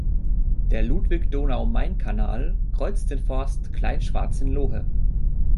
Der Ludwig-Donau-Main-Kanal kreuzt den Forst Kleinschwarzenlohe.